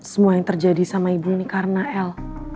semua yang terjadi sama ibu ini karena l